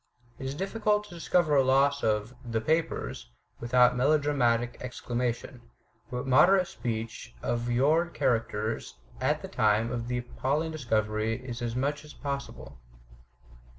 " It is difficult to discover a loss of "the papers" without melodramatic exclamation; but moderate the speech of your characters at the time of the appalling discovery as much as possible.